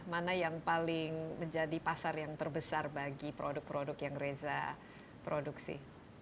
mana yang paling menjadi pasar yang terbesar bagi produk produk yang reza produksi